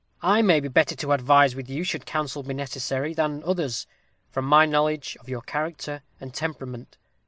I may be better able to advise with you, should counsel be necessary, than others, from my knowledge of your character and temperament.